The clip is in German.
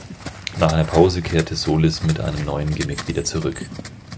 Nach einer Pause kehrte Solis mit einem neuen Gimmick wieder zurück.